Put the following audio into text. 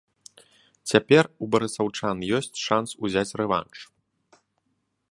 Цяпер у барысаўчан ёсць шанс узяць рэванш.